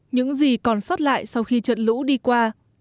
những gì còn sót lại sau khi trận lũ đi qua